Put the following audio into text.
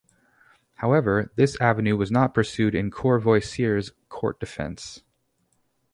However, this avenue was not pursued in Courvoisier's court defence.